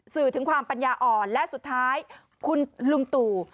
สื่อถึงความปัญญาอ่อนและสุดท้ายคุณลุงตู่